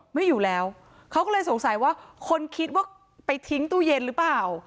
ไม่อยู่แล้วเขาก็เลยสงสัยว่าคนคิดว่าไปทิ้งตู้เย็นหรือเปล่า